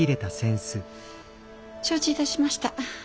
承知いたしました。